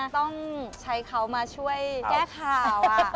ต้องใช้เขามาช่วยแก้ข่าว